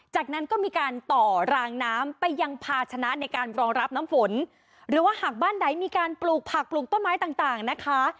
จากนั้นก็มีการต่อรางน้ำไปยังภาชนะในการรองรับน้ำฝนหรือว่าหากบ้านใดมีการปลูกผักปลูกต้นไม้ต่างต่างนะคะ